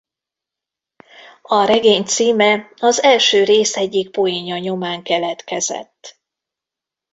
A regény címe az első rész egyik poénja nyomán keletkezett.